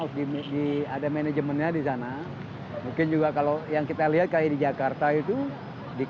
optimis di ada manajemennya di sana mungkin juga kalau yang kita lihat kayak di jakarta itu di